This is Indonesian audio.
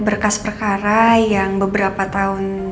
berkas perkara yang beberapa tahun